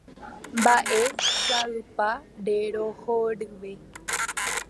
Mba'e sa'ýpa rerohoryve.